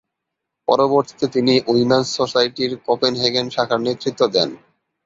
পরবর্তিতে তিনি উইমেন্স সোসাইটির কোপেনহেগেন শাখার নেতৃত্ব দেন।